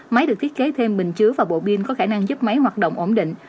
máy được thiết kế thêm bình chứa và bộ pin có khả năng giúp máy hoạt động ổn định